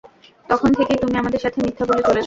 তখন থেকেই তুমি আমাদের সাথে মিথ্যা বলে চলেছ!